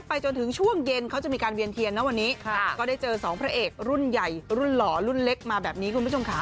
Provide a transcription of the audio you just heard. เพราะได้เจอสองพระเอกรุ่นใหญ่รุ่นหล่อรุ่นเล็กมาแบบนี้คุณผู้ชมขา